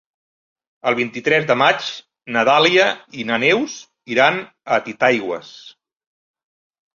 El vint-i-tres de maig na Dàlia i na Neus iran a Titaigües.